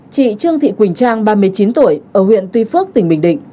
chị trương thị quỳnh trang ba mươi chín tuổi ở huyện tuy phước tỉnh bình định